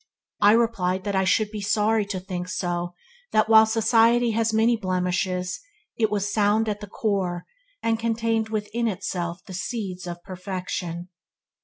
I replied that I should be sorry to think so; that while society had many blemishes, it was sound at the core, and contained within itself the seeds of perfection.